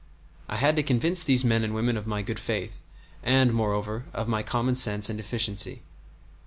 I had to convince these men and women of my good faith, and, moreover, of my common sense and efficiency.